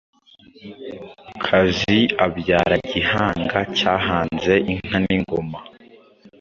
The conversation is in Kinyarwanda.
Kazi abyara Gihanga cyahanze inka n'ingoma